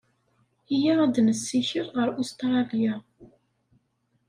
Iyya ad nessikel ɣer Ustṛalya.